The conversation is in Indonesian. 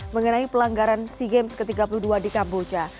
mengenai pelanggaran sea games ke tiga puluh dua di kamboja